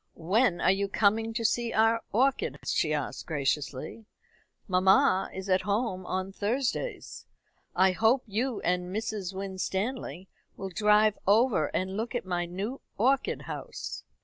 "When are you coming to see our orchids?" she asked graciously. "Mamma is at home on Thursdays. I hope you and Mrs. Winstanley will drive over and look at my new orchid house.